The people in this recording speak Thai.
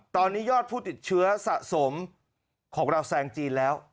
ตอนนี้ยอดผู้ติดเชื้อสะสมของเราแซงจีนแล้ว